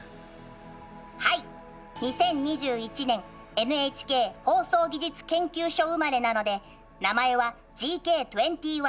はい２０２１年ＮＨＫ放送技術研究所生まれなので名前はＧＫ２１。